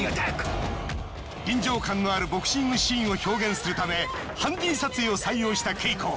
臨場感のあるボクシングシーンを表現するためハンディ撮影を採用したＫＥＩＫＯ。